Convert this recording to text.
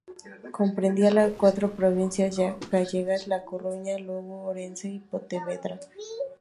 Comprendía las cuatro provincias gallegas: La Coruña, Lugo, Orense y Pontevedra.